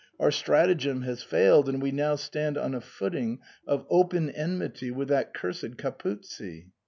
Our stratagem has failed, and we now stand on a footing of open enmity with that cursed Capuzzi."